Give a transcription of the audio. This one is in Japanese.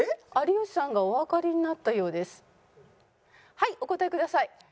はいお答えください。